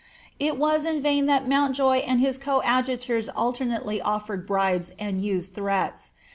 "' It was in Tain that Montjoy and his coadjutors alternately ofiered bribes and used threats.